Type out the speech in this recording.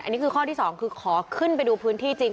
อันนี้คือข้อที่๒คือขอขึ้นไปดูพื้นที่จริง